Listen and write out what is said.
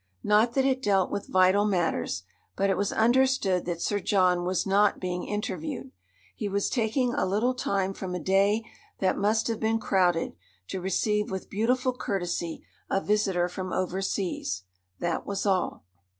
Not that it dealt with vital matters; but it was understood that Sir John was not being interviewed. He was taking a little time from a day that must have been crowded, to receive with beautiful courtesy a visitor from overseas. That was all.